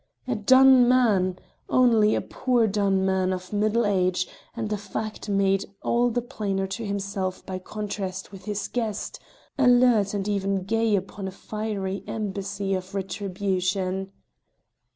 A done man! Only a poor done man of middle age, and the fact made all the plainer to himself by contrast with his guest, alert and even gay upon a fiery embassy of retribution.